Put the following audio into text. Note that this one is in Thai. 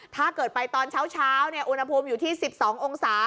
ถ้าเกิดไปตอนเช้าอุณหภูมิอยู่ที่๑๒องศา